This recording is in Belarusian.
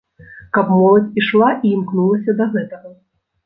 Каб моладзь ішла і імкнулася да гэтага.